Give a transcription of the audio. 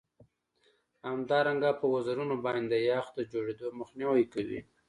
همدارنګه په وزرونو باندې د یخ د جوړیدو مخنیوی کوي